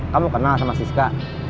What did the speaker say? kamu kenal sama siska